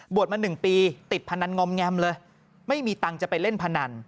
บวชมาหนึ่งปีติดพนันงมแยมเลยไม่มีตังจะไปเล่นพนัน